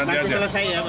anda mau mengetahui juga